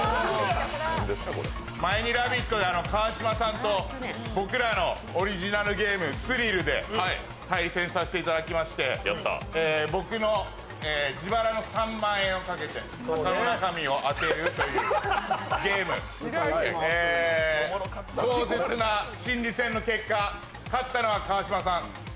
前に「ラヴィット！」で川島さんと僕らのオリジナルゲーム「スリル」で対戦させていただきまして僕の自腹の３万円をかけて、箱の中身を当てるというゲームで壮絶な心理戦の結果、勝ったのは川島さん。